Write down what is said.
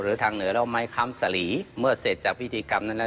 หรือทางเหนือเรียกว่าไม้คล้ำสลีเมื่อเสร็จจากพิธีกรรมนั้น